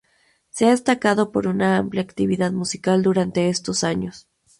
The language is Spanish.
Se ha destacado por una amplia actividad musical durante estos años.